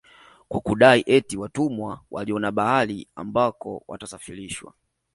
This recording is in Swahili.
Kwa kudai eti watumwa waliona bahari ambako watasafarishwa